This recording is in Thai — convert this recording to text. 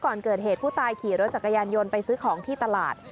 ก่อนเกิดเหตุผู้ตายขี่รถจักรยานยนต์ไปซื้อของที่ตลาด